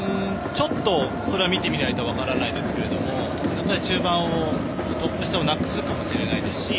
ちょっとそれは見てみないと分からないんですが中盤をトップ下をなくすかもしれないですし。